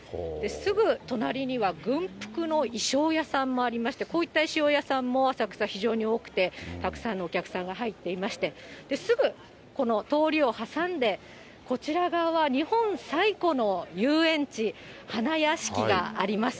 すぐ隣には軍服の衣装屋さんもありまして、こういった衣装屋さんも、浅草、非常に多くて、たくさんのお客さんが入っていまして、すぐこの通りを挟んで、こちら側は日本最古の遊園地、花やしきがあります。